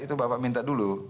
itu bapak minta dulu